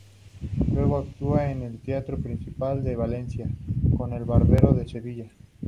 Luego actúa en el Teatro Principal de Valencia, con "El Barbero de Sevilla".